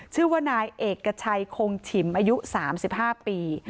ชื่อว่านายเอกชัยคงฉิมอายุ๓๕ปี